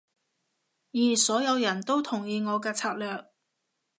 而所有人都同意我嘅策略